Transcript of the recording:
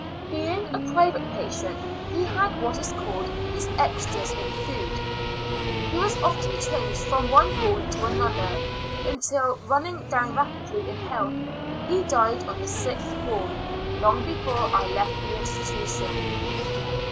Being a private patient, he had what is called his extras in food. He was often changed from one hall to another, until, running down rapidly in health, he died on the sixth hall, long before I left the institution.